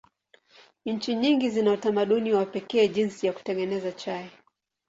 Nchi nyingi zina utamaduni wa pekee jinsi ya kutengeneza chai.